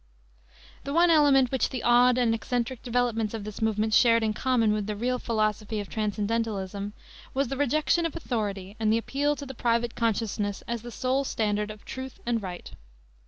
The one element which the odd and eccentric developments of this movement shared in common with the real philosophy of transcendentalism was the rejection of authority and the appeal to the private consciousness as the sole standard of truth and right.